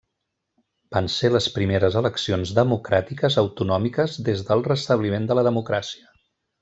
Van ser les primeres eleccions democràtiques autonòmiques des del restabliment de la democràcia.